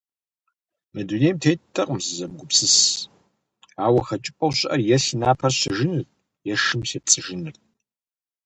Мы дунейм теттэкъым сызэмыгупсыс, ауэ хэкӀыпӀэу щыӀэр е си напэр сщэжынырт, е шым сепцӀыжынырт.